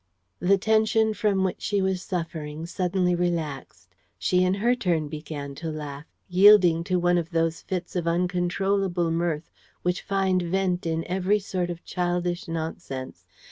The tension from which she was suffering suddenly relaxed. She in her turn began to laugh, yielding to one of those fits of uncontrollable mirth which find vent in every sort of childish nonsense.